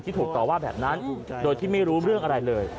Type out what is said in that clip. ถูกต่อว่าแบบนั้นโดยที่ไม่รู้เรื่องอะไรเลย